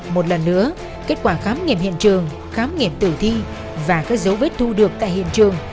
một lần nữa kết quả khám nghiệm hiện trường khám nghiệm tử thi và các dấu vết thu được tại hiện trường